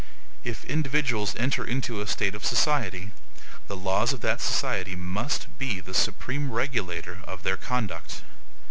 If individuals enter into a state of society, the laws of that society must be the supreme regulator of their conduct.